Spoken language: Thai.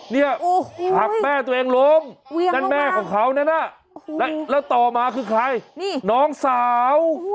เนี่ยหักแม่ตัวเองล้มนั่นแม่ของเขานั่นน่ะแล้วต่อมาคือใครน้องสาว